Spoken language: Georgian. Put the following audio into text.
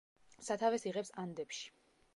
სათავეს იღებს ანდებში.